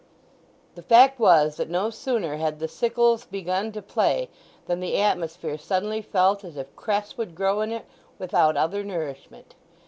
The fact was, that no sooner had the sickles begun to play than the atmosphere suddenly felt as if cress would grow in it without other nourishment.